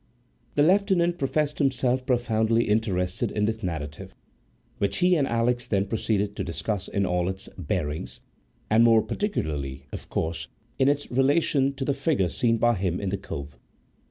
The Lieutenant professed himself profoundly interested in this narrative, which he and Alix then proceeded to discuss in all its bearings, and more particularly, of course, in its relation to the figure seen by him in the cove.